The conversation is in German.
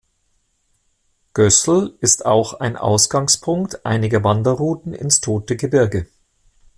Gößl ist auch ein Ausgangspunkt einiger Wanderrouten ins Tote Gebirge.